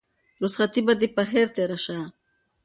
رخصتي دې په خير تېره شه.